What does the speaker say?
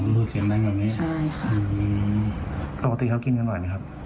อ๋อคือแบบนี้ใช่ค่ะ